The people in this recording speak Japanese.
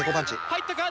入ったか？